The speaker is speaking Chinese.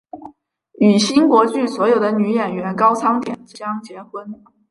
与新国剧所的女演员高仓典江结婚。